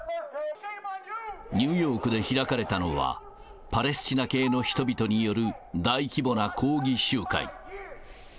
ニューヨークで開かれたのは、パレスチナ系の人々による大規模な抗議集会。